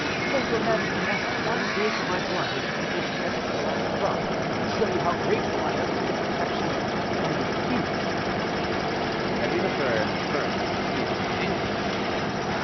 "May your majesty ask one day for my blood, and I will shed it to the last drop to show you how grateful I am for the protection that I refuse!" Henri III. turned on his heel angrily.